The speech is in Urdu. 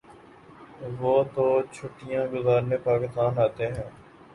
وہ تو چھٹیاں گزارنے پاکستان آتے ہیں۔